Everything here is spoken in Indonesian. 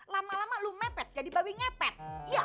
lama lama lu mepet jadi babi ngepet